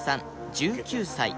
１９歳